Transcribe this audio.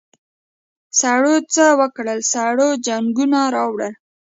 سړو څه وکل سړو جنګونه راوړل.